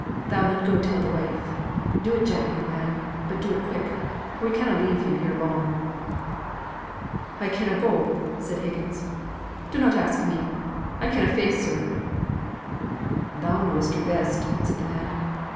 Thou mun go tell the wife. Do it gently, man, but do it quick, for we canna leave him here long." "I canna go," said Higgins. "Dunnot ask me. I canna face her." "Thou knows her best," said the man.